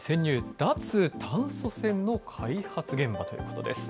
脱炭素船の開発現場ということです。